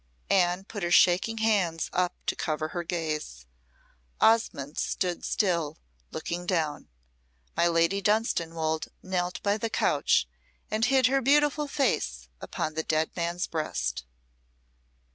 Anne put her shaking hands up to cover her gaze. Osmonde stood still, looking down. My Lady Dunstanwolde knelt by the couch and hid her beautiful face upon the dead man's breast.